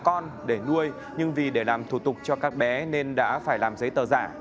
các bị cáo do hiếm muộn muốn có con để nuôi nhưng vì để làm thủ tục cho các bé nên đã phải làm giấy tờ giả